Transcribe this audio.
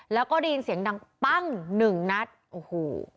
แล้วก็ได้ยินเสียงดังปั้้ง๑นัทโอ้โห